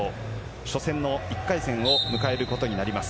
初戦の１回戦を迎えることになります。